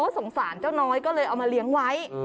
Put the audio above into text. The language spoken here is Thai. สงสารเจ้าน้อยก็เลยเอามาเลี้ยงไว้